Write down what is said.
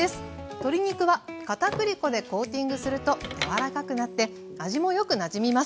鶏肉は片栗粉でコーティングすると柔らかくなって味もよくなじみます。